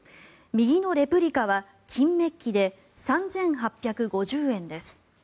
右のレプリカは金メッキで３８５０円です。